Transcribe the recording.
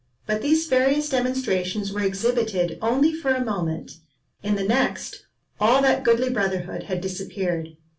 But these various demonstrations were exhibited only for a moment,—in the next, all that goodly brotherhood had disappeared.